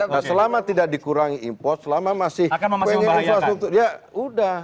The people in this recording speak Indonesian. nah selama tidak dikurangi impor selama masih pengen infrastruktur dia udah